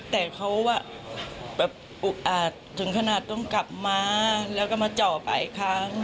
แต่เขาแบบอุกอาจถึงขนาดต้องกลับมาแล้วก็มาเจาะไปอีกครั้ง